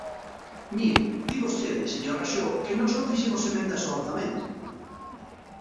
Mire, di vostede, señor Raxó, que nós non fixemos emendas ao orzamento.